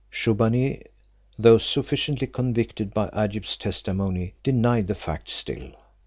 Shubbaunee, though sufficiently convicted by Agib's testimony, denied the fact still.